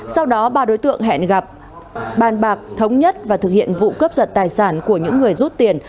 sau đó ba đối tượng hẹn gặp bàn bạc thống nhất và thực hiện vụ cướp giật tài sản của những người rút tiền